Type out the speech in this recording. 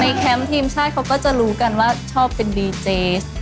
แคมป์ทีมชาติเขาก็จะรู้กันว่าชอบเป็นดีเจส